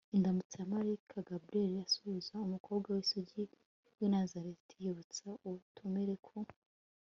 indamutso ya malayika gabriyeli asuhuza umukobwa w'isugi w'i nazareti yibutsa ubutumire ku